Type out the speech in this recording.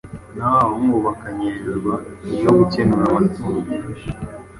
Naho abahungu bakamenyerezwa iyo gukenura amatungo,